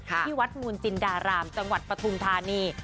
ที่วัดมูลจินดารามจังหวัดปฐุมธานี